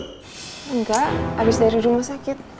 enggak abis dari rumah sakit